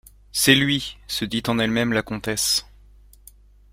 C’est lui, se dit en elle-même la comtesse.